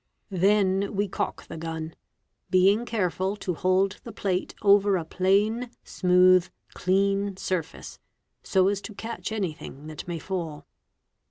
Then we cock the gun, being careful to hold the plate over a plane, smooth, clean surface, so as to catch anything that may fall.